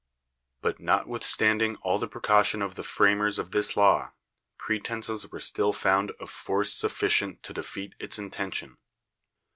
But not withstanding all the precaution of the framcrs of this law, pretenses were still found of force sufficient to defeat its intention.